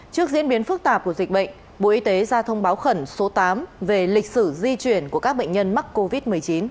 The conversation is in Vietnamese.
trước diễn biến phức tạp của dịch bệnh bộ y tế ra thông báo khẩn số tám về lịch sử di chuyển của các bệnh nhân mắc covid một mươi chín